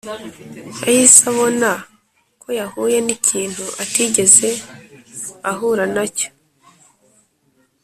yahise abona ko yahuye n'ikintu atigeze ahura nacyo